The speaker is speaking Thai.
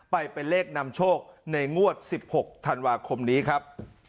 ไปเป็นเลขนำโชคในงวด๑๖ธันวาคมนี้ครับ